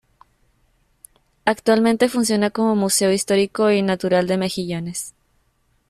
Actualmente funciona como Museo histórico y Natural de Mejillones.